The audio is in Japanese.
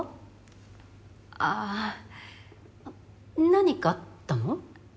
何かあったの？